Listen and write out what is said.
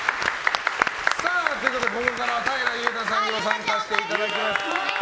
ここからは平祐奈さんにも参加していただきます。